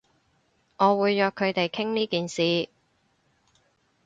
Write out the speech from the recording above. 我會約佢哋傾呢件事